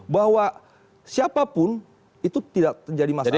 bahwa siapapun itu tidak terjadi masalah